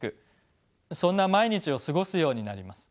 そんな毎日を過ごすようになります。